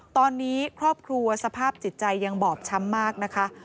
ตอนนี้ครอบครัวสภาพจิตใจยังบอบช้ำมากนะคะ